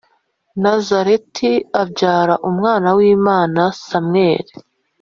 nazareti abyara umwana w’imana. samweri